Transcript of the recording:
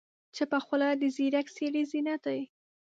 چپه خوله، د ځیرک سړي زینت دی.